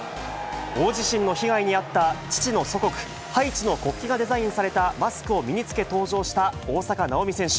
大地震の被害に遭った父の祖国、ハイチの国旗がデザインされたマスクを身に着け登場した大坂なおみ選手。